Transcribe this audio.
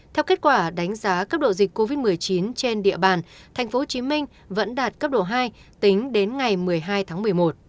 theo kết quả đánh giá cấp độ dịch covid một mươi chín trên địa bàn tp hcm vẫn đạt cấp độ hai tính đến ngày một mươi hai tháng một mươi một